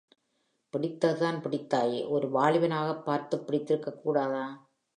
பிடித்ததுதான் பிடித்தாயே, ஒரு வாலிபனாகப் பார்த்துப் பிடித்திருக்கக் கூடாதா?